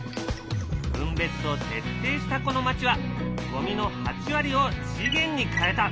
分別を徹底したこの町はゴミの８割を資源に変えた。